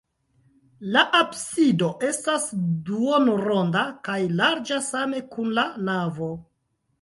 La absido estas duonronda kaj larĝas same kun la navo.